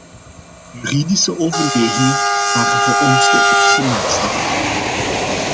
Juridische overwegingen waren voor ons de enige maatstaf.